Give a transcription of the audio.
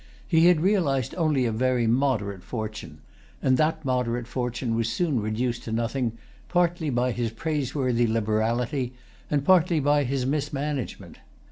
He had realized only a very moderate fortune; and that moderate fortune was soon reduced to nothing, partly by his praiseworthy liberality, and partly by his mismanagement.